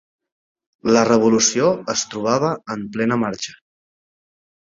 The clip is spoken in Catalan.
La revolució es trobava en plena marxa.